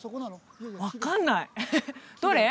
分かんないどれ？